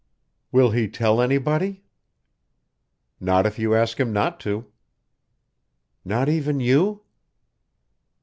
"Will he tell anybody?" "Not if you ask him not to." "Not even you?"